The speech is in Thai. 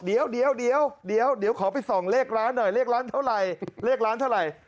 เดี๋ยวขอไปส่องเลขร้านหน่อยเลขร้านเท่าไหร่